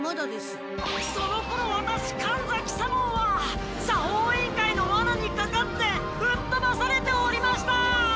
そのころワタシ神崎左門は作法委員会のワナにかかってぶっとばされておりました！